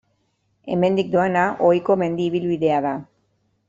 Hemendik doana, ohiko mendi ibilbidea da.